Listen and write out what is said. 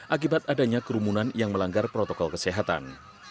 akibat adanya kerumunan yang melanggar protokol kesehatan